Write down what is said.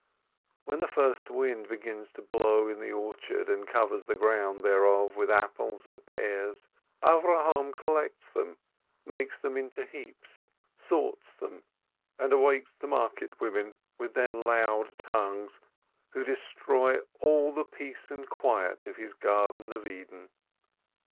When the first wind begins to blow in the orchard, and covers the ground thereof with apples and pears, Avrohom collects them, makes them into heaps, sorts them, and awaits the market women with their loud tongues, who destroy all the peace and quiet of his Grarden of Eden.